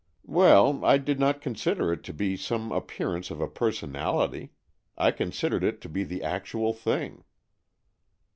" Well, I did not consider it to be some appearance of a personality. I considered it to be the actual thing."